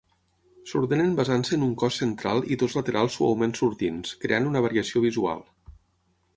S'ordenen basant-se en un cos central i dos laterals suaument sortints, creant una variació visual.